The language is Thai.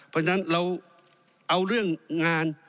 เพราะฉะนั้นเราเอาเรื่องงาน